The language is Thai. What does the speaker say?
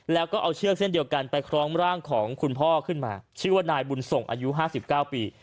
แล้วก็เอาเชือกเส้นเดียวกันไปคล้องร่างของคุณพ่อขึ้นมาชื่อว่านายบุญส่งอายุ๕๙ปี